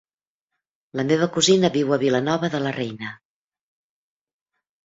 La meva cosina viu a Vilanova de la Reina.